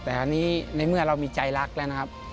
แต่อันนี้ในเมื่อเรามีใจรักแล้วนะครับ